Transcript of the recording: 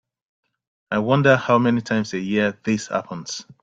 I wonder how many times a year this happens.